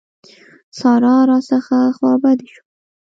سارا راڅخه خوابدې شوه.